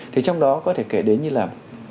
thì trong đó có thể kể đến như là